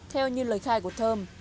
theo như lời khai của thơm